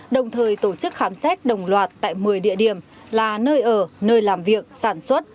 đồng thời tổ chức khám xét đồng loạt tại một mươi địa điểm là nơi ở nơi làm việc sản xuất